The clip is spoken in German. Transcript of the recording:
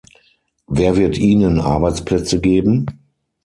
Wer wird ihnen Arbeitsplätze geben?